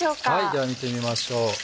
では見てみましょう。